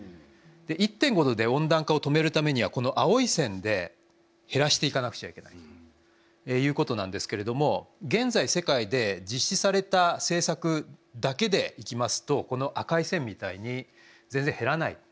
１．５℃で温暖化を止めるためにはこの青い線で減らしていかなくちゃいけないということなんですけれども現在世界で実施された政策だけでいきますとこの赤い線みたいに全然減らない。